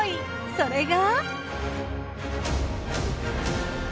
それが。